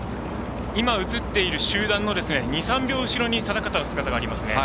今、映っている集団の２３秒後ろに定方の姿がありますね。